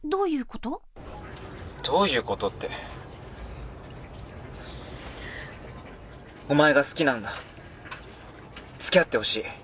どういうことってお前が好きなんだ、つきあってほしい。